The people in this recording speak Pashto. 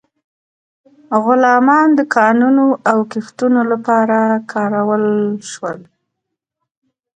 غلامان د کانونو او کښتونو لپاره کارول شول.